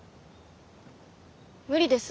無理です。